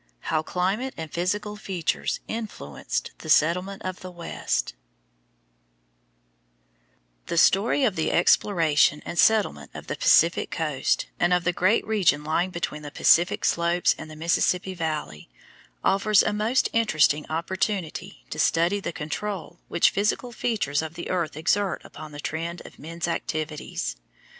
HOW CLIMATE AND PHYSICAL FEATURES INFLUENCED THE SETTLEMENT OF THE WEST The story of the exploration and settlement of the Pacific coast, and of the great region lying between the Pacific slope and the Mississippi Valley, offers a most interesting opportunity to study the control which physical features of the earth exert upon the trend of men's activities.